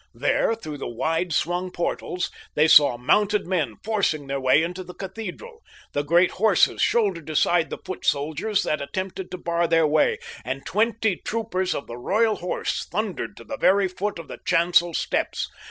There, through the wide swung portals, they saw mounted men forcing their way into the cathedral. The great horses shouldered aside the foot soldiers that attempted to bar their way, and twenty troopers of the Royal Horse thundered to the very foot of the chancel steps.